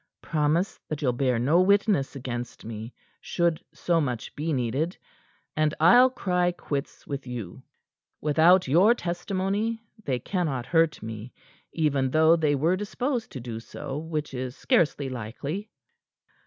"Promise that you'll bear no witness against me should so much be needed, and I'll cry quits with you. Without your testimony, they cannot hurt me, even though they were disposed to do so, which is scarcely likely."